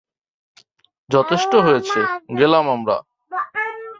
যথেষ্ট হয়েছে, গেলাম আমরা।